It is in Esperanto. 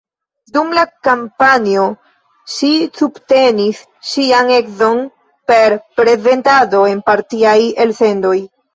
Dum la kampanjo ŝi subtenis ŝian edzon per prezentado en partiaj elsendoj.